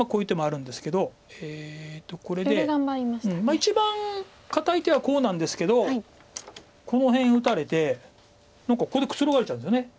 一番堅い手はこうなんですけどこの辺打たれて何かここでくつろがれちゃうんですよね。